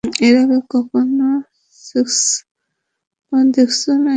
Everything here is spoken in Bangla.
এর আগে কখনও সেক্সি পা দেখোছ নাই?